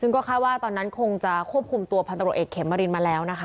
ซึ่งก็คาดว่าตอนนั้นคงจะควบคุมตัวพันตรวจเอกเขมรินมาแล้วนะคะ